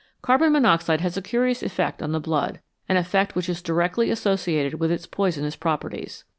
Carbon monoxide has a curious effect on the blood an effect which is directly associated with its poisonous properties.